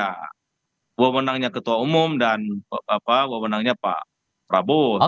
karena gue menangnya ketua umum dan gue menangnya pak prabowo